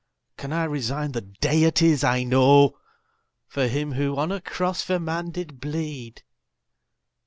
Can I resign the deities I know For him who on a cross for man did bleed?